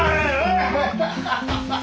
ハハハハ！